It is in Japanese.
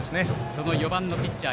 その４番のピッチャー